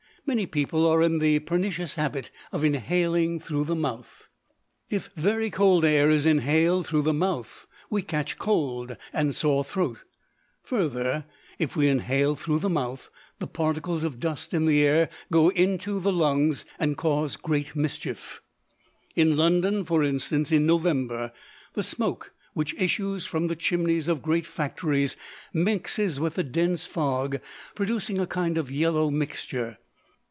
Many people are in the pernicious habit of inhaling through the mouth. If very cold air is inhaled through the mouth, we catch cold and sore throat. Further, if we inhale through the mouth, the particles of dust in the air go into the lungs and cause great mischief. In London, for instance, in November, the smoke which issues from the chimneys of great factories mixes with the dense fog, producing a kind of yellow mixture.